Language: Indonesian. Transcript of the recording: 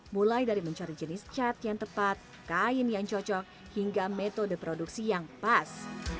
mulai dari mencari jenis cat yang tepat kain yang cocok hingga metode produksi yang pas